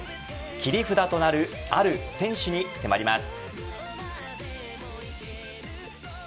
切り札となるある選手に迫ります。